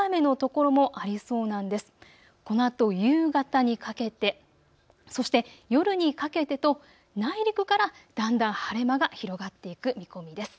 このあと夕方にかけてそして夜にかけてと内陸からだんだん晴れ間が広がっていく見込みです。